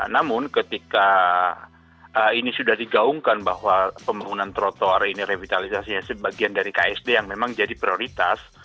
namun ketika ini sudah digaungkan bahwa pembangunan trotoar ini revitalisasinya sebagian dari ksd yang memang jadi prioritas